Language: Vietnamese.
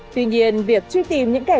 tuy nhiên việc truy tìm những kẻo